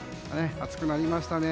暑くなりましたね。